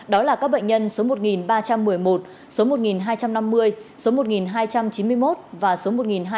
đó là các bệnh nhân số một ba trăm một mươi một số một hai trăm năm mươi số một hai trăm chín mươi một và số một hai trăm ba mươi bốn